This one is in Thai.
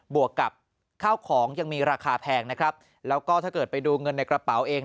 วกกับข้าวของยังมีราคาแพงนะครับแล้วก็ถ้าเกิดไปดูเงินในกระเป๋าเอง